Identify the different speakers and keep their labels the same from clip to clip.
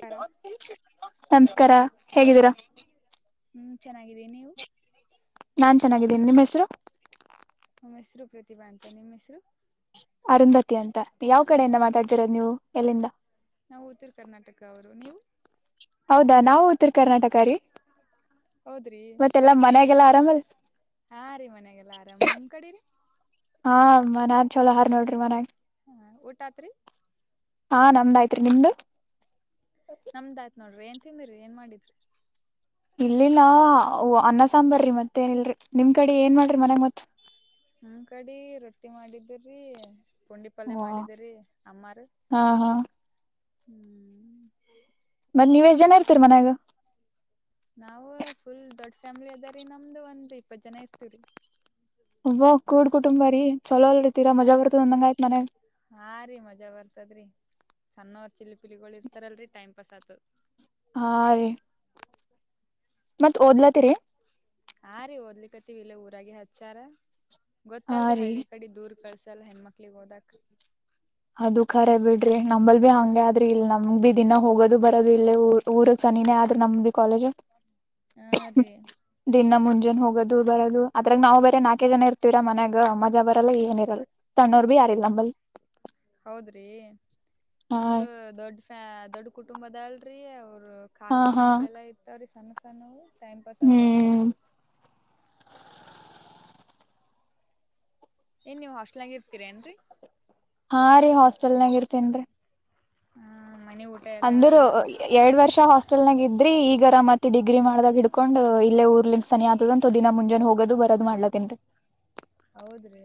Speaker 1: ಕಾರ
Speaker 2: ನಮಸ್ಕಾರ ಹೇಗಿದ್ದೀರಾ
Speaker 1: ಹ್ಮ್ ಚೆನ್ನಾಗಿದ್ದೀ ನೀವು
Speaker 2: ನಾನ್ ಚೆನ್ನಾಗಿದ್ದೀನಿ ನಿಮ್ಮ ಹೆಸರು.
Speaker 1: ನಮ್ಮ ಹೆಸರು ಪ್ರತಿಭಾ ಅಂತ ನಿಮ್ಮ್ ಹೆಸರು.
Speaker 2: ಅರುಂಧತಿ ಅಂತ ಯಾವ್ ಕಡೆಯಿಂದ ಮಾತಾಡ್್ದೀರೋ ನೀವು ಎಲ್ಲಿಂದ
Speaker 1: ನಾವು ಉತ್ತರ ಕರ್ನಾಟಕದವರು ನೀವು.
Speaker 2: ಹೌದಾ ನಾವು ಉತ್ತರ ಕರ್ನಾಟಕ ರೀ
Speaker 1: ಹೌದ್ರಿ
Speaker 2: ಮತ್ತೆಲ್ಲಾ ಮನ್ಯಾಗೆಲ್ಲಾ ಆರಾಮಲ್
Speaker 1: ಹಾ ರೀ ಮನ್ಯಾಗಲ್ಲ ಆರಾಮ್ ನಿಮ್ ಕಡೆ ರೀ
Speaker 2: ಹಾ ಮನ್ಯಾಗ್ ಚಲೋ ಆದಾರ್ ನೋಡ್ರಿ ಮನ್ಯಾಗ.
Speaker 1: ಹ ಓಟಾತ್ರಿ
Speaker 2: ಹಾ ನಮ್ದಾಯ್ತ್ರಿ ನಿಮ್ದು
Speaker 1: ನಮ್ದಾತ್ ನೋಡ್ರಿ ಏನ್ ತಿಂದಿ್ರಿ ಏನ್ ಮಾಡಿದ್ರಿ
Speaker 2: ಇಲ್ಲಿಲ್ಲ ಅನ್ನ ಸಾಂಬಾರಿ ಮತ್ತೇಏನ ಇಲ್ರರಿ ನಿಮ್ ಕಡೆ ಏನ್ ಮಾಡ್ರಿ ಮನ್ಯಾಗ ಮತ್
Speaker 1: ನನ್ಕಡಿ ರೊಟ್ಟಿ ಮಾಡಿದ್ದೀರಿ. ಪುಂಡಿ ಪಲ್ಯ
Speaker 2: ಹಾ
Speaker 1: ಮಾಡಿದಿರಿ ಅಮ್ಮಾರ.
Speaker 2: ಹಾ
Speaker 1: [inaudible]
Speaker 2: ಮತ್ ನೀವ್ ಎಟ್ ಜನ ಇರ್ತೀರಿ ಮನ್ಯಾಗ.
Speaker 1: ನಾವವು ಫುಲ್ ದೊಡ್ ಫ್ಯಾಮಿಲಿ ಅದಾರಿ ನಮ್ದು ಒಂದು್ ಇಪ್ಪತ್ ಜನ ಇರ್ತಿೀವರಿ
Speaker 2: ಒಬೋ ಕೂಡ್ ಕುಟುಂಬ ರೀ ಚಲೋ ಅಲ್ರಿ ತೀರಾ ಮಜಾ
Speaker 1: ಹಾಂ
Speaker 2: ಬರ್ತದ ಅಂದಂಗ್ ಆಯ್ತ್ ಮನ್ಯಾಗ್.
Speaker 1: [unintelligible] ಚಿ ಪಿಲಿಗಳು ಇರ್ತಾರಲ್ರಿ ಟೈಮ್ ಪಸತ್
Speaker 2: ಹಾ ರೀ ಮತ್ತ್ ಓದ್ಲತ್ತರಿ
Speaker 1: ಹ ರೀ ಓದ್ಲಿಕ್ಕತ್ತೀವಿ ಇಲ್ಲ ಊರಾಗಿ ಹಚ್ಯಾರ್.
Speaker 2: ಹಾ
Speaker 1: ಗೊತ್ತಲ್ರಿ
Speaker 2: ರೀ
Speaker 1: ಹಳ್ಳಿ ಕಡೆ ದೂರ್ ಕಳ್ಸ ಲ್ಲ ಹೆಣ್ಮಕ್ಳಗ್ ಹೋದಕ್
Speaker 2: ಅದು ಖರೆ ಬಿಡ್ರಿ ನಂಬಲ್ ಬಿ ಹಂಗೆ ಆದ್ರ ಇಲ್ ನಮ್ಗ್ ಬಿ ದಿನ ಹೋಗೋದು ಬರೋದು ಇ ಊರ ಸನಿನೇ ಆದ್ರ ನಮ್ ಕಾಲೇಜು
Speaker 1: ಹಾ ರೀ
Speaker 2: ದಿನ ಮುನ್ನೆ ನ್ ಹೋಗೋದು ಬರದು ಅದ್ರಾಗ ನಾವು ಬರೀ ನಾಲ್ಕೇ ಜನ ಇರ್ತೀರ ಮನ್ಯಾಗ ಅ ಮಜಾ ಬರಲ್ಲ ಏನ ಇರಲ್ಲ ಸಣ್ಣೋರ್ ಬಿ ಯಾರಿಲ್ಲ ಅಂಬಲ್.
Speaker 1: ಹೌದ್ರೀ
Speaker 2: ಹಾ
Speaker 1: ಅಂತ ದೊಡ್ಡ ಫ್ಯಾ ದೊಡ್ಡ ಕುಟುಂಬದಲ್ ಹ
Speaker 2: ಹಾ
Speaker 1: ಕಾಕಾ
Speaker 2: ಹಾ
Speaker 1: ಮಕ್ಳೆಲ್ಲಾ ಇತವ ಸ್ಣಸಾನವು ಟೈಮ್ ಪಾಸ್ ಆಗ್ತದ ರೀ
Speaker 2: ಹ್ಮ್
Speaker 1: ಏನ್ ನೀವ್ ಹಾಸ್ಟೆಲ್ ಆಗ ಇರ್ತೀರ ಏನ್ರರಿ
Speaker 2: ಹಾ ರಿ ಹಾಸ್ಟೆಲನಾಗಿರ್ತೀನ್ರಿ
Speaker 1: ಹ್ಮ ಮನೆ ಊಟ ಎಲ್ಲಾ
Speaker 2: ಅಂದರ ಎರಡ್ ವರ್ಷ ಹಾಸ್ಟೆಲ್ ನಾಗ ಇದ್ರಿ ಈಗ ಆರಾಮ ಆತ ಡಿಗ್ರಿ ಮಾಡದ್ದಾಗ ಹಿಡ್ಕೊಂಡ್ ಇಲ್ಲೇ ಊರ್ಲಿಂದ ಸನಿ ಆತದ ಅಂತ ದಿನ ಮುಂಜಾನ ಹೋಗೋದು ಬರೋದು ಮಾಡ್ಲಾ ಕತ್ತೀನಿ ರಿ
Speaker 1: ಹೌದ ರೀ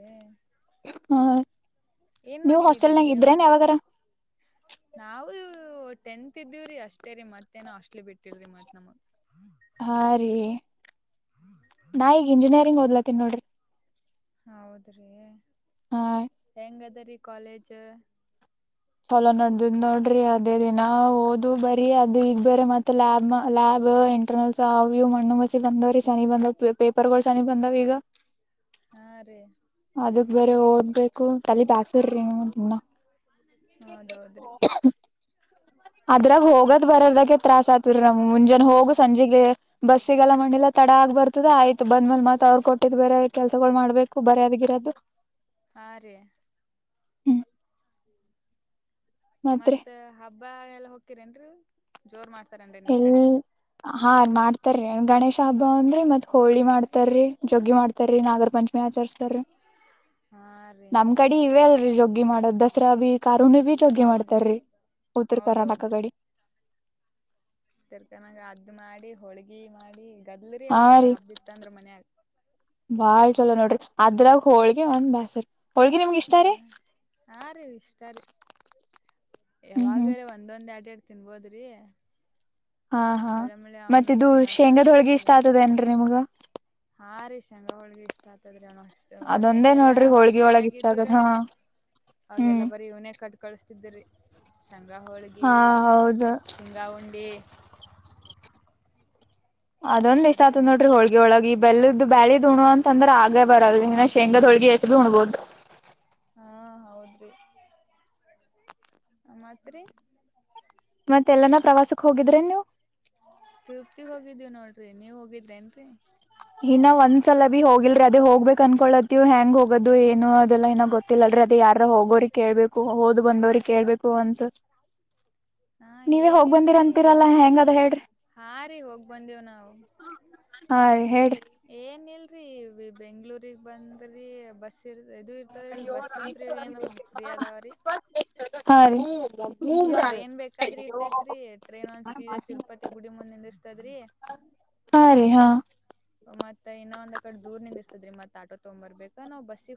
Speaker 2: ಹ
Speaker 1: ಏನ್ ಮಾಡಿರಿ ಡಿಗ್ರಿ ಒಳಗ ನಾವು ಟೆಂತ್ ಇದ್ದೀವ್ರಿ ಅಷ್ಟೇ ರಿ ಮತ್ತೇನ ಹಾಸ್ಟಲ್ ಬಿಟ್ಟಿಲ್ರಿ ಮತ್ತ ನಮಗ
Speaker 2: ಹ ರೀ ನಾ ಈಗ ಇಂಜಿನಿಯರಿಂಗ್ ಓದ್ಲಾಕತ್ತೀನಿ ನೋಡ್ರಿ
Speaker 1: ಹೌದ ರಿ
Speaker 2: ಹಾ
Speaker 1: ಎಂಗ್ ಅದಿರಿ ಕಾಲೇಜ
Speaker 2: ಚಲೋ ನಡದದ ನೋಡ್ರಿ ಅದೇ ರಿ ದಿನ ಓದು ಬರಿ ಅದು ಈಗ್ ಬರೆ ಮತ್ತ ಲ್ಯಾ ಲ್ಯಾಬ್ ಇಂಟರ್ನಲಸ ಅವು ಇವು ಮಣ್ಣ ಬಂದವ್ರೀ ಸನಿ ಬಂದವ ಪೇಪರಗಳು ಸನಿ ಬಂದಾವ ಈಗ ಹ್
Speaker 1: ಹ ರಿ
Speaker 2: ಅದಕ ಬರೆ ಓದಬೇಕು ತೆಲಿಬ್ಯಾಸರ ರಿ ದಿನಾ
Speaker 1: ಹೌದೌದ್ರಿ
Speaker 2: ಅದ್ರಾಗ ಹೋಗದ ಬರರ್ದಾಗೆ ತ್ರಾಸ್ ಆಗತೈತಿ ನಮ ಮುಂಜಾನೆ ಹೋಗು ಸಂಜೆಗೆ ಬಸ್ ಸಿಗಲ್ಲ ಮಣ್ಣ ಇಲ್ಲ ತಡ ಆಗ ಬರ್ತದ ಆಯ್ತು ಬಂದ್ಮೇಲ್ ಮತ್ತ ಅವರ ಕೊಟ್ಟಿದ ಬೇರೆ ಕೆಲಸಗಳು ಮಾಡ್ಬೇಕು ಬರೆಯೋದು ಗಿರೋದು
Speaker 1: ಹ ರೀ
Speaker 2: ಹ್ಮ್ ಮತ್ರಿ
Speaker 1: ಮತ್ತ ಹಬ್ಬ ಎಲ್ಲಾ ಹೋಗ್ತೀರೇನ್ರಿ ಜೋರ ಮಾಡ ರಂಡ ನಿಮ
Speaker 2: ಎಲ್
Speaker 1: ಕಡಿಗಿ
Speaker 2: ಹಾ ಮಾಡ್ತಾರಿ ಗಣೇಶ ಹಬ್ಬ ಒಂದು ರಿ ಮತ್ತ ಹೋಳಿ ಮಾಡ್ತರ್ರಿ ಜಗ್ಗಿ ಮಾಡ್ತಾರೀ ನಾಗರ ಪಂಚಮಿ ಆಚರಿಸುತ್ತಾರೆ
Speaker 1: ಹಾ ರೀ
Speaker 2: ನಮ್ ಕಡೆ ಇವ ಅಲ್ಲ ಜಗ್ಗಿ ಮಾಡೋದು ದಸರಾ ಬಿ ಕಾರುಣ್ಣಿ ಬೀ ಜಗ್ಗಿ
Speaker 1: ಹೌದ್ರಿ
Speaker 2: ಮಾಡ್ತಾರೀ ಉತ್ತರ ಕರ್ನಾಟಕ ಕಡಿ
Speaker 1: ತರ್ಕನಾಗ ಅಡ್ಡ ಮಾಡಿ ಹೋಳಿಗೆ ಮಾಡಿ ಗದ್ಲ್ರಿ
Speaker 2: ಹಾ
Speaker 1: ಅವತ್
Speaker 2: ರೀ
Speaker 1: ಹಬ್ಬಿತ್ತಂದ್ರ ಮನ್ಯಾಗ
Speaker 2: ಬಾಳ ಚೋಲ ನೋಡ್ರಿ ಅದ್ರಾಗ ಹೋಳಿಗೆ ಒಂದ ಬ್ಯಾಸರ
Speaker 1: ಹ ಹಾ ರೀ ಇಷ್ಟಾ ರಿ
Speaker 2: ಹ್ಮ್ ಹ್ಮ್
Speaker 1: ಯಾವಗರ ಒಂದೊಂದ ಎರಡೆರಡು ತಿನ್ನಭೋದ್ರಿ
Speaker 2: ಹಾ ಹಾ ಮತ್ತ ಇದು ಶೇಂಗಾದ ಹೋಳಿಗೆ ಇಷ್ಟ ಆಗ್ತದ ಏನ ರಿ ನಿಮಗ
Speaker 1: ಹಾರೀ ಶೇಂಗಾ ಹೊಳ್ಗಿ ಇಷ್ಟ ಆಗ್ತದ್ರೀಣ ಅಷ್ಟ
Speaker 2: ಅದೊಂದೇ
Speaker 1: ಹತ್ತನೇತಿ ಎಲ್ಲ
Speaker 2: ನೋಡ್ರಿ ಹೋಳ್ಗಿ ಒಳಗ್
Speaker 1: ಹಾಸ್ಟೆಲ್ನಾಗ
Speaker 2: ಇಷ್ಟ
Speaker 1: ಇದ್ರ
Speaker 2: ಆಗದ್ ಹಾ ಹ್ಮ್
Speaker 1: ಅವಾಗೆಲ್ಲಾ ಬರೀ ಇವನೇ ಕಟ್ ಕಳಸ್ತೀನಿ ತಿದ್ದರಿ ಶಂಗಾಹೋಳ್ಗೆಿ
Speaker 2: ಹಾ ಹೌದು
Speaker 1: ಶಿಂಗಾಹುಂಡಿ
Speaker 2: ಅದೊಂದ ಇಷ್ಟ
Speaker 1: ಬರೀ
Speaker 2: ಆತತ್
Speaker 1: ಇವನೇ
Speaker 2: ನೋಡ್ರಿ ಹೋಳಿ ಒಳಗೆ ಬೆಲ್ಲದು ಬ್ಯಾಳಿ ಉುಣುವ ಅಂತಂದ್ರೆ ಆಗೇ ಬರದು ಇನ್ನ ಶೇಂಗಾದ ಹೊಳ್ಗಿ ಉುಣ್ಬಹದು
Speaker 1: ಹಾ ಹೌದ್ರಿ ಮತ್ರಿ
Speaker 2: ಮತ್ತೆ ಎಲ್ಲನ ಪ್ರವಾಸಕ್ ಹೋಗಿದ್ರೆ ನೀವು
Speaker 1: ತೃತಿಗೆ ಹೋಗಿದ್ದೀವಿ ನೋಡ್ರಿ ನೀವು ಹೋಗಿದ್ದ್ರೇನ್ರರಿ
Speaker 2: ಇನ್ನ ಒಂದ್ಸಲ ಬಿ ಅದು ಏನು ಅದೆಲ್ಲಏನೋ ಗೊತ್ತಿಲ್ಲಲ್ರಿ ಅದು ಯ ಎಲ್ಯರ ಹೋಗೋರಿಗೆ ಕೇಳ್ಬೇಕು ಹೋದ್ ಬಂದೋರಿಗ್ ಕೇಳ್ಬೇಕು ಅಂತ
Speaker 1: ಹಾ
Speaker 2: ನೀವ ಹೋಗ್ ಬಂದಿರ
Speaker 1: ಏನಿಲ್ರಿ
Speaker 2: ಅಂತೀರಲ್ಲ ಹೆಂಗ ಅದ ಹೇಳ್ರಿ
Speaker 1: ಹಾ ರೀ ಹೋಗ್ ಬಂದೇವ್
Speaker 2: ಹಾ ರೀ ಹೇ
Speaker 1: ಏನಿಲ್ಲ ರೀ ಬೆಂಗ್ಗಳೂಗ್ ಬಂದ್ರೀ ಬಸ್ ಇರ್ ಇದು ಇರ್ತದಲ್ರಿ
Speaker 2: ಅಯ್ಯೋ
Speaker 1: ಬಸ್ ಅಂತ್ರಿ ಏನ ಫ್ರೀ ಅದಾವ್ರೀ
Speaker 2: ಹಾರೀ
Speaker 1: ಈ ಟ್ರೇನ್ ಬೇಕಾದ್ರಿ ಇರ್ತತ್ರಿ ಟ್ರೇನ್ ಒಂದ್ ಸೀದಾ ತಿರುಪತಿ ಗುಡಿ ಮುಂದೆ ನಿಂದ್ರಸತೈತಿ ಇರ್ತದ್ರಿ
Speaker 2: ಹಾ ರೀ ಹಾ
Speaker 1: ಮತ್ತೆ ಇನ್ನೊ ಒಂದ್ ಕಡೆ ದೂರ್ ನಿಂದ ಇಸ್ತದ್ರಿ ಮತ್ತೆ ಆಟೋ ತೊಂಬರ್ಬೇಕ ನವು ಬಸಿ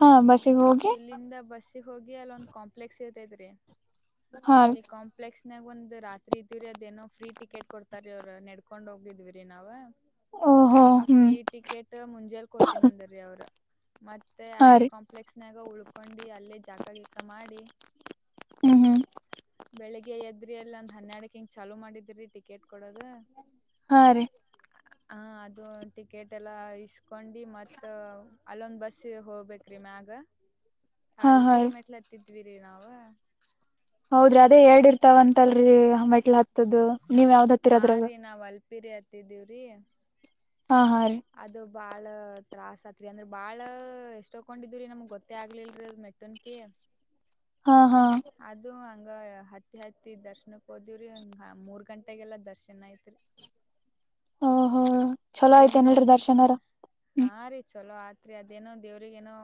Speaker 2: ಹಾ ಬಸ್ಸಿಗೆ ಹೋಗಿ
Speaker 1: ಇಲ್ಲಿಂದ ಬಸ್ಸಿಗೆ ಹೋಗಿ ಅಲ್ಲೊಂದ್ ಕಾಂಪ್ಲೆಕ್ಸ್ ಇರ್ತೈತ್ರಿ
Speaker 2: ಹಾ
Speaker 1: ಅಲ್ಲಿ ಕಾಂಪ್ಲೆಕ್ಸ್ ನಾಗ ಒಂದ್ ರಾತ್ರಿ ಇದೀವರಿ ಅದೇನೋ ಫ್ರೀ ಟಿಕೆಟ್ ಕೊಡ್ತಾರ ಅವರ್ ನಡ್ಕೊಂಡ್ ಹೋಗಿದ್ವಿ ಇ ನಾವ
Speaker 2: ಓಹೋ
Speaker 1: ಆ
Speaker 2: ಹ್ಮ್
Speaker 1: ಫ್ರೀ ಟಿಕೆಟ್ ಮುಂಜೆಲ್ ಕೊಡ್ತೀನಂದ್ರೀ ಅವ್ರ ಮತ್ತ ಮತ್ತೆ
Speaker 2: ಹಾ
Speaker 1: ಅದೇ
Speaker 2: ರೀ
Speaker 1: ಕಾಂಪ್ಲೆಕ್ಸ್ನಾಗ ಉಳ್ಕೊಂಡಿ ಅಲ್ಲೇ ಜಾಕಗಿಕ್ಕ ಮಾಡಿ
Speaker 2: ಹ್ಮ್ ಹ್ಮ್
Speaker 1: ಬೆಳಿಗ್ಗೆ ಎದ್ರಿ ಎಲ್ಲ ಒಂದ್ ಹನ್ನೆರಡಕ ಹಿಂಗ ಚಾಲುೂ ಮಾಡಿದ್ರಿ ಟಿಕೆಟ್ ಕೊಡೋದ
Speaker 2: ಹಾ ರೀ
Speaker 1: ಹ ಅದು ಟಿಕೆಟ್ ಎಲ್ಲಾ ಇಷ್ಟ ಕೊಂಡಿ ಮತ್ತ ಅಲ್ಲೊಂದ್ ಬಸ್ ಹೋಗ್ಬೇಕ ರೀ ಮ್ಯಗ
Speaker 2: ಹಾ ಹಾ ರೀ
Speaker 1: ಕಲ್ಪಿರಿ ಮೆಟ್ಲ ಹತ್ತಿದಿದ್ದ ದವೀರ ನಾವು
Speaker 2: ಹೌದ್ರಿ ಅದೇ ಎರಡ್ ಇರ್ತಾವಂತಲ್ರರಿ ಮೆಟ್ಲ ಹತ್ತದದು
Speaker 1: ಹಾ ರೀ ನಾವ್ ಅಲ್ಪಿರಿ ಹತ್ತಿದೀವ್ರಿ
Speaker 2: ಹಾ ಹಾ ರೀ
Speaker 1: ಅದು ಬಾಳ ತತ್ರಾಸ್ ಆತ್ರಿ ಅಂದ್ರ ಬಾಳ ಎಷ್ಟ ತಕೊಂಡಿದವರಿ ನಮ್ಗ್ ಗೊತ್ತೇ ಆಗ್ಲಿಲ್ರರಿ ಅದ್ ಮೆಟ್ಟನ್ಕಿ
Speaker 2: ಹಾ ಹಾ
Speaker 1: ಅದು ಹಂಗ ಹತ್ತಿ ಹತ್ತಿ ದರ್ಶನಕ್ ಹೋದಿವವ್ರಿ ಹ ಮೂರ್ ಗಂಟೆಗೆಲ್ಲ ದರ್ಶನ್ ಐತ್ರಿ
Speaker 2: ಹ ಹೋ ಚೊಲೋ ಐತೆ ಏನಲ್ರೀ
Speaker 1: ರೂಮ್ನಾಗ
Speaker 2: ದರ್ಶನರ ಹ್ಮ
Speaker 1: ತ್ರಿ ಅದೇನೋ ದೇವ್ರಗ ಏನೋ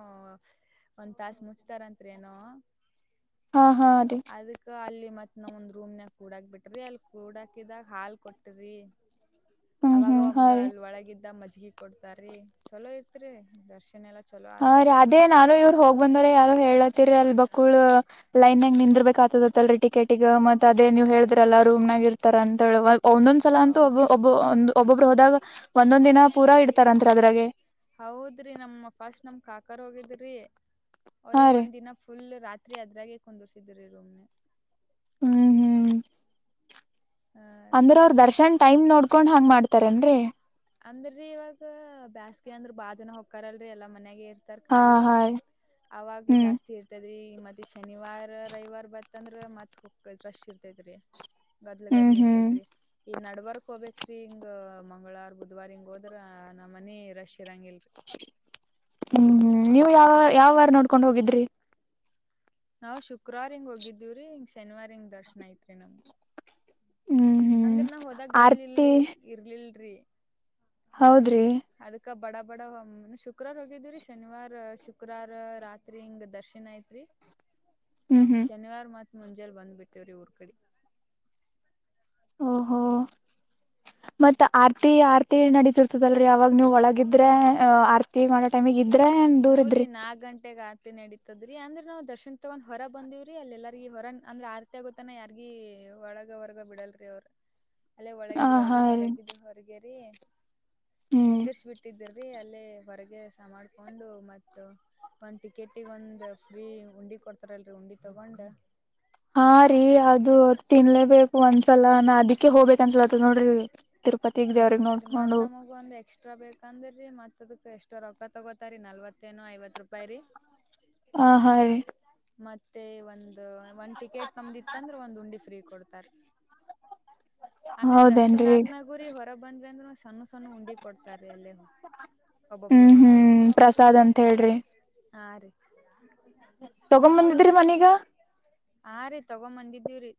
Speaker 1: ಒಂದ್ ತಾಸ ಮುಚ್ತಾರತ್ರಿ ಏನೋ
Speaker 2: ಹಾ ಹಾ ಅದೇ
Speaker 1: ಅದಕ್ಕ ಅಲ್ಲಿ ಮತ್ ನಾವ್ ಒಂದ್ ರೂಮ್ ನ ಕೂಡಾಕ್ ಬಿಟ್ರಿ ಅಲ್ಲಿ ಕೂಡಾಕಿದಾಗ ಹಾಲ್ ಕೊಟ್ರಿ
Speaker 2: ಹ್ಮ್
Speaker 1: ಅವಾಗ
Speaker 2: ಹ್ಮ್
Speaker 1: ಒಬ್
Speaker 2: ಹಾ ರೀ
Speaker 1: ಅಲ್ಲಿ ಒಳಗಿದ್ದ ಮಜೆ ಹೀ ಕೊಡ್ತಾರೀ ಚಲೋ ಐತ್ರಿ ದರ್ಶನ್ ಎಲ್ಲಾ ಚಲೋ
Speaker 2: ಹ ರೀ
Speaker 1: ಆತದ್ರಿ
Speaker 2: ಅದೇ ನಾನು ಇವ್ರು ಹೋಗ್ ಬಂದ್ರ ಯಾರು ಹೇಳತ್ ತ್ತರಿ ಅಲ್ ಬಕ್ಕುಳ ಲೈನ್ಗನಿಂದರ್ಬೇಕ ಆತದತ್ತಲ್ರಿ ಟಿಕೆಟಿಗ ಮತ್ತತ್ ಅದೇ ನೀವ್ ಹೇಳಿದ್ರಲ್ಲಾ ರೂಮ್ನಾಗ ಇರ್ತಾರ ಅಂತ ಒಂದೊಂದ್ ಸಲ ಅಂತೂ
Speaker 1: ಹೌದ್ರಿ
Speaker 2: ಒಬಬ್ಬ ಒಂದು ಒಬ್ಬ ಹೋದಾಗ ಒಂದೊಂದ ದಿನ ಪೂರಾ ಇಡ್ತಾರತ್ರಿ ಅದ್ರಾಗೆ
Speaker 1: ಹೌದು ರೀ ನಮ್ ಫಾಸ್ಟ್ ನಮ್ ಕಾಕರ್ ಹೋಗಿದ್ರಿ
Speaker 2: ಹಾ
Speaker 1: ಅವ್ರಗ್
Speaker 2: ರೀ
Speaker 1: ಒಂದ್ ದಿನ ಫುಲ್ ರಾತ್ರಿ ಅದ್ರಾಗೆ ಕುಂದರ್ಸಿದ್ರಿ ರೂಮ್
Speaker 2: ಹ್ಮ್ ಹ್ಮ್
Speaker 1: ಹಾ ರೀ
Speaker 2: ಅಂದ್ರ ಅವ್ರ ದರ್ಶನ್ ಟೈಮ್ ನೋಡ್ಕೊಂಡ್ ಹಾಂಗ್ ಮಾಡ್ತಾರನ್ರರಿ
Speaker 1: ಅಂದ್ರೀ ಇವಾಗ ಬೇಸ್ಗೆ ಅಂದ್ರ ಬಾ ಜನ ಹಕ್ಕಾರಲ್ರಿ ಎಲ್ಲಾ ಮನ್ಯಾಗ ಇರ್ತಾರ
Speaker 2: ಹಾ
Speaker 1: ಖಾಲಿ
Speaker 2: ಹಾ
Speaker 1: ಅವಾಗ
Speaker 2: ಹ್ಮ್
Speaker 1: ಜಾಸ್ತಿ ಇರ್ತದ್ರಿ ಮತ್ತೆ ಶನಿವಾರ ರವಿವಾರ ಬ ಮತ್ತಂದ್ರ ಮತ್ ಹೋಗ್ರಶ ಇರ್ತೇದ್ರಿ ಗದ್ಲು ಗದ್
Speaker 2: ಹ್ಮ್ ಹ್ಮ್
Speaker 1: ಇರ್ತೈತ್ರಿ ಈ ನಡು ವರ್ಕ್ ಹೋಗಬೇಕ್ರೀ ಹಿಂಗ ಮಂಗಳವಾರ ಬ ಬುದವಾರಿ ಹಂಗ ಹೋದ್ರ ನಮ್ಮ ಮನೆ ರಶ್ಮ
Speaker 2: ಹ್ಮ್ ಹ್ಮ್ ನೀವು ಯಾವ ಯಾವ ವಾರ ನೋಡ್ಕೊಂಡ್ ಹೋಗಿದ್ರಿ
Speaker 1: ನಾವ್ ಶುಕ್ರವಾರ್ ಹಿಂಗ್ ಹೋಗಿದ್ದೀವ್ರರಿ ಹಂಗ ಶನಿವಾರಂಗ ದರ್ಶನ ಐತ್ರಿ ನಮ್ಗೆ
Speaker 2: ಹ್ಮ್ ಹ್ಮ್
Speaker 1: ಅಂದ್ರ ನಾ ಹೋದಾಗ ಗದ್ಲಿಲ್
Speaker 2: ಆರ್ತಿ
Speaker 1: ಇರ್ಲಿಲ್ರಿ
Speaker 2: ಹೌದ್ರಿ
Speaker 1: ಅಕ್ಕ ಬಡ ಬಡ ಶುಕ್ರವಾರ್ ಹೋಗಿದ್ವಿರಿ ಶನಿವಾರ್ ಶುಕ್ರವಾರ ರಾತ್ರಿ ಹಿಂಗ ದರ್ಶನ್ ಐತ್ರಿ
Speaker 2: ಹ್ಮ್ ಹ್ಮ್
Speaker 1: ಶನಿವಾರ ಮ ಮುಂಜೆಲ್ ಬಂದ್ ಬಿಟ್ಟೇವ್ರಿ ಊರ್ ಕಡೆ
Speaker 2: ಓಹೋ ಮತ್ತ ಆರ್ತಿ ಆರ್ತಿ ನಡತಿರ್ತದಲ್ರರಿ ಯಾವಾಗ ನೀವು್ ಒಳಗಿದ್ರೆ ಆರ್ತಿ ಮಾಡೋ ಟೈಮಗ
Speaker 1: ಹಊರಿ ನಾಲ್ಕ ಗಂಟೆಗೆ ಆರತಿ ನಡೀತ ಹದ್ರಿ ಅಂದ್ರ ನಾವ್ ದರ್ಶನ್ ತಗೊಂಡ್ ಹೊರ ಬಂದವ್ರಿ ಅಲ್ಲ ಎಲ್ಲಾರ್ಗ ಹೊರ ಅಂದ್ರ ಆರ್ತಿ ಆಗೋತಾನ ಯಾರ್ಗ ಒಳಗ ಹೊರಗ ಬಿಡಲ್ರಿ ಅವ್ರರು ಅಲ್ಲೇ
Speaker 2: ಆ
Speaker 1: ಒಳಗಿದ್ರ
Speaker 2: ಹಾ
Speaker 1: ಒಳಗೆ
Speaker 2: ರೀ
Speaker 1: ಹೊರಗಿದ್ ಹೊರಗೇರಿ
Speaker 2: ಹ್ಮ್
Speaker 1: ನಿಂದಿರಿಸಿ ಬಿಟ್ಟಿದ್ದರು ಅಲ್ಲಿ ಹೊರಗೆ ಸಮಾ ತಕೊಂಡು ಮತ್ತ ಒಂದ್ ಟಿಕೆಟಗ ಒಂದ ಫ್ರೀ ಉಂಡಿ ಕೊಡ್ತಾರಲ್ರರಿ ಉಂಡಿ ತಗೊಂಡ್
Speaker 2: ಹಾ ರೀ ಅದು ತಿನ್ಲೇಬೇಕು ಅನ್ಸಲ ನಾ ಅದಿಕ್ಕೆ ಹೋಗ್ಬೇಕ ಅನ್ಸಲತ ನೋಡ್ರಿ ತಿರುಪತಿಗ್
Speaker 1: ಹ
Speaker 2: ದೇವ್ರಗ್
Speaker 1: ರೀ ಮತ್
Speaker 2: ನೋಡ್ಕೊಂಡು
Speaker 1: ನಮಗ ಒಂದ್ ಎಕ್ಸ್ಟ್ರಾ ಬೇಕಂದ್ರೀ ಮತ್ ದಕ್ಕೆ ಎಷ್ಟ ರೊಪಾಯ ತಗೋತಾರೀ ನಲ್ವತ್ತೇನು ಐವತ್ ರೂಪಾಯಿ ರೀ
Speaker 2: ಹ ಹಾಗ ರ
Speaker 1: ಮತ್ತೆ ಒಂದು ಒಂದು ಟಿಕೆಟ್ ತಮ್ದಿ ಅಂದ್ರೆ ಒಂದು ಉಂಡಿ ಫ್ರೀ ಕೊಡ್ತಾರೆ ಆಮೇಲ್ ದರ್ಶನ್
Speaker 2: ಹೌದೇನ್ರಿ
Speaker 1: ಆದ್ಮಾಗುರಿ ಹೊರ ಬಂದ್ವಿ ಅಂದ್ರು ಸಣ್ಣ ಸಣ್ಣ ಉಂಡಿ ಕೊಡ್ತಾರೀ ಅಲ್ಲೇ
Speaker 2: ಹ್ಮ್
Speaker 1: ಒಬ್ಬೊಬ್ರಗೊಂದಂತ
Speaker 2: ಹ್ಮ್ ಪ್ರಸಾದ್ ಅಂತ
Speaker 1: ಆರು
Speaker 2: ತಗೊಂಡು ಬಂದಿದ್ರಿ ಮನೀಗ
Speaker 1: ಹಾ ರೀ ತಗೊಂಬಂದಿದ್ದೀರರಿ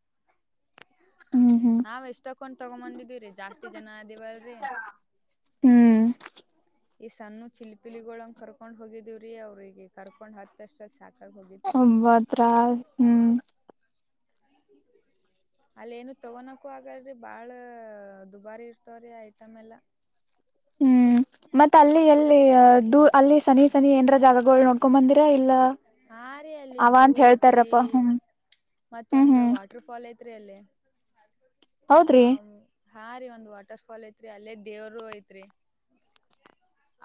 Speaker 2: ಹ್ಮ್ ಹ್ಮ್
Speaker 1: ನಾವ್ ಎಷ್ಟ ಹಕೊಂಡ್ ತಗೊಂಬಂದಿದೀರಿ ಜಾಸ್ತಿ ಜನ ಅಲ್ರೀ
Speaker 2: ಹ್ಮ್
Speaker 1: ಈ ಸಣ್ಣು ಚಿಲಿಪಿಲಿಗಳಂಗಗೆ ಕರ್ಕೊಂಡ್ ಹೋಗಿದಿವವ್ರೀ ಅವ್ರ ಈಗೆ ಕರ್ಕೊಂಡ್ ಹತ್ತಷ್ಟ
Speaker 2: ಒಬ್ಬತ್ರ ಹ್ಮ್
Speaker 1: ಅಲ್ಲ ಏನು ತಗೋನಕ್ಕು ಆಗಲ್ರಿ ಬಾಳ ದುಬಾರಿ ಇರ್ತವ್ರೀ ಐಟಮ್ ಎಲ್ಲಾ
Speaker 2: ಹ್ಮ್ ಮತ್ತ ಅಲ್ಲಿ ಎಲ್ಲ ದೂ ಅಲ್ಲಿ ಸನಿ ಸನಿ ಏಂದರ ಜಾಗಗಳು ನೋಡ್ಕೊ ಬಂದಿರಾ ಇಲ್ಲ
Speaker 1: ಹಾ ರೀ ಅಲ್ಲಿ
Speaker 2: ಅವ
Speaker 1: ಝೂ
Speaker 2: ಅಂತ
Speaker 1: ಐತ್ರಿ
Speaker 2: ಹೇಳ್ತಾರಪ್ಪಾ ಹ್ಮ ಹ್ಮ್ ಹ್ಮ್
Speaker 1: ತ್ರಿ ಅಲ್ಲೇ
Speaker 2: ಹೌದ್ರಿ
Speaker 1: ನಾವು ಹಾ ರೀ ಒಂದ್ ವಾಟರ್ ಫಾಲ್ ಐತ್ರಿ ಅಲ್ಲೇ ದೇವರು ಐತ್ರಿ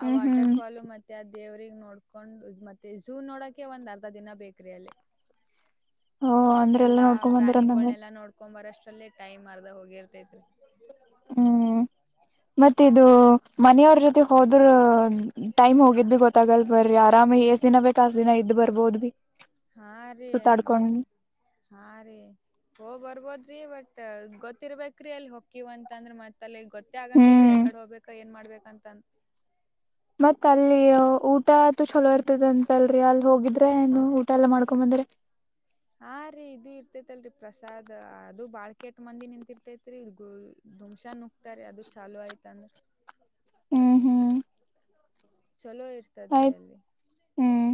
Speaker 1: ಆ
Speaker 2: ಹ್ಮ್
Speaker 1: ವಾಟರ್
Speaker 2: ಹ್ಮ್
Speaker 1: ವಟರ್ಫಾಲ್ ಮತ್ತೆ ಅ ದೇವ ನೋಡ್ಕೊಂಡು ಮತ್ತೆ ಝೂ ನೋಡಕೆ ಒಂದ್ ಅರ್ಧ ದಿನ ಬೇಕ್ರಿ ಅಲ್ಲಿ
Speaker 2: ಓ ಅಂದ್ರೆ ಎಲ್ಲಾ ನೋಡ್ಕೊಂಡ್ ಬಂದರಂದಂಗ
Speaker 1: ತಕೊಂಬಾರ ಅಷ್ಟರಲ್ಲಿ ಟಮ್ರ್ದ ಹೋಗಿರ್ತೈತ್ರಿ
Speaker 2: ಹ್ಮ್ ಮತ್ತ ಇದು ಮನೆಯವ್ರ ಜೊತೆ ಹೋದ್ರ ಟೈಮ್ ಹೋಗಿದ್ ಭಿ ಗೊತ್ತಾಗಲ್ ಬರ್ರಿ ಆರಾಮ ಎಷ್ಟ್ ದಿನ ಬೇಕಕ್ ಅಷ್ಟ ದಿನ ಇದ್ ಬರ್ಬೋದ ಭಿ
Speaker 1: ಹಾ ರೀ ಹಾ ರೀ ಹೋ ಬರ್ಬೋದ್ರಿ ಬಟ್ ಗೊತ್ತಿರ್ಬೇಕ್ರೀ ಅಲ್ಲಿ ಹೊಕಿವವ್ ಅಂತ ಅಂದ್ರ ಮತ್ತೆ ಅಲೆ ಗೊತ್ತ ಆಗಂಗಿಲ್ಲಲ್ರಿ
Speaker 2: ಹ್ಮ್
Speaker 1: ಎಕಾಡೆ ಹೋಗ್ು ಏನ್ ಮಾಡ್ಬೇಕು ಅಕಂತ
Speaker 2: ಮತ್ತ್ ಅಲ್ಲಿ ಊಟತೂ ಚಲೋ ಇರ್ತದ ಅಂತಲ್ರಿ ಅಲ್ ಹೋಗಿದ್ರೆ ಏನು ಊಟ ಎಲ್ಲಾ ಮಾಡ್ಕೊ ಬಂದ್ರಿ
Speaker 1: ಹ ರರಿ ಇದು ಇರ್ತೇತ್ಲ್ರಿ ಪ್ರಸಾದ್ ಅದು ಬಾಳ್ ಕೆಟ್ಟ ಮಂದಿ ನಿಂತಿರ್ತೇತ್ರಿ ದುಮ್ಸಾನ್ ನುಗ್ತಾರೀ ಅದು ಚಾಲುೂ ಆಯ್ತಂದ
Speaker 2: ಹ್ಮ್ ಹ್ಮ್
Speaker 1: ಚಲೋ ಇರ್ತದ್ರಿ
Speaker 2: ಆಯ್ತ್
Speaker 1: ಅಲ್ಲಿ
Speaker 2: ಹ್ಮ್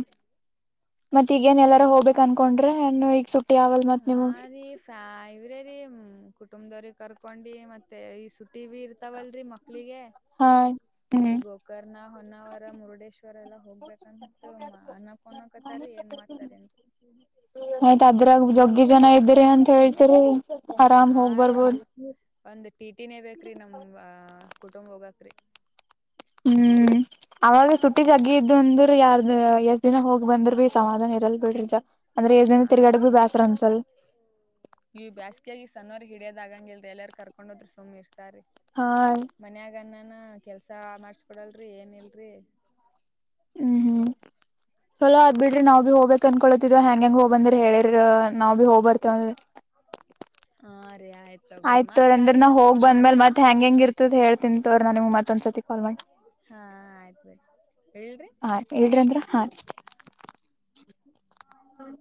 Speaker 2: ಮತ್ತ ಈಗೇನ್ ಎಲ್ಲಾರ ಹೋಗ್ಬೇಕ ಅನ್ಕೊಂಡ್ರೆ ಹನ್ನುೋ ಸ ಆಗಲ್ ಮತ್ ನಿಮ
Speaker 1: ಇ್ರೀ ಕುಟುಂಬದವ್ರಿಗೆ ಕರ್ಕೊಂಡಿ ಮತ್ತೆ ಈ ಸು ಟಿವಿ ಇರ್ತಾವಲ್ರಿ ಮಕ್ಳಿಗೆ
Speaker 2: ಹಾ ಹ್ಮ್
Speaker 1: ಈಗೋಕರ್ನ ಹೊ ನಾವರ ಮುರುಡೇಶ್ವರ ಎಲ್ಲಾ ಹೋಗ್ಬೇಕಂತ ಅನ್ನಕನಕತಾರ ಏನ್ ಮಾಡ್ತಾರನ್
Speaker 2: ದು ಜನ ಇದ್ದ್ರ ಅಂತ ಹೇಳ್ತರಿ
Speaker 1: ಹಾ ರೀ ಒಂದ್ ಟಿ ಟಿನೇ ಬೇಕ್ರಿ ನಮ್ ಕುಟುಂಬ ಹೋಗಕ್ರರಿ
Speaker 2: ಹ್ಮ್ ಅವಾಗ ಸುಟ್ಟಿದಗ್ಗ ಇದ್ದು ಅಂದ್ರ ಯಾರ್ದ ಎಷ್ಟ ದಿನ ಹೋಗ್ ಬಂದ್ರ ಭ ಸಮಾಧಾನ ಇರಲ್ ಬಿಡ್ರಿಜ
Speaker 1: ಹಾ ರೀ ನೀ ಬೇಸ್ಗೆಾಗಿ ಸಣ್ಣವರ್ಗ್ ಹಿಡಿಯದ ಆಾಗಂಗಲ್ರಿ ಎಲ್ಲರ್ಗೂ ಕರ್ಕೊಂಡೋದ್ರು ಸೋಮೀರ್
Speaker 2: ಹಾ
Speaker 1: ಮನ್ಯಾಗನ್ನ ನಾನ ಕೆಲ್ಸ ಮಾಡ್ಸ್ಕೊಡಲ್ರಿ ಏನ್ ಇಲ್ರಿ
Speaker 2: ಹ್ಮ್ ಹ್ಮ್ ಚಲೋ ಅದ ಬಿಡ್ರಿ ನಾವ್ ಭ ಹೋಗ್ಬೇಕ್ ಕಂದಕೊತಿದವ ಹ್ಯಾಂ ಹೆಂಗಗೆ ಹೋಗ ಬಂದ್ರ ಹೇಳಿರ್ ನಾವವು ಭ ಹೋಗ್ಬರ್ತೇವ
Speaker 1: ಹ [inaudible]
Speaker 2: ಆಯ್ತ ತವ್ರ ಅಂದ್ರ ನಾ ಹೋಗ್ ಬಂದ್ಮೇಲ್
Speaker 1: ಮಾಡ್ರಿ.
Speaker 2: ಮತ್ ಹೆಂಗ ಹೆಂಗ ಇರ್ತತ್ ಹೇಳ್ತನ್ತ್ವ್ರ ನಾ ನಿಮ ಮತ್ತೊಂದ್ಸತಿ ಕಾಲ್ ಮಾಡಿ
Speaker 1: ಹಾ ಆಯ್ತ್ ಬಿಡ್ರಿ ಇಡ್ಲ್ರಿ.
Speaker 2: ಆ ಹೇಳರಿಿ ಅಂದ್ರ ಹ ಹ್ಮ